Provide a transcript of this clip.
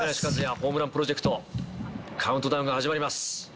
ホームランプロジェクト、カウントダウンが始まります。